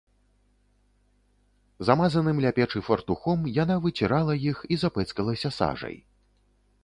Замазаным ля печы фартухом яна выцірала іх і запэцкалася сажай.